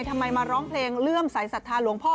ทำไมมาร้องเพลงเลื่อมสายศรัทธาหลวงพ่อ